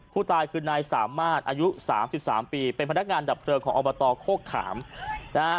ผู้ตายคือนายสามมาตรอายุ๓๓ปีเป็นพนักงานดับเติมของอบตโค้กขามนะฮะ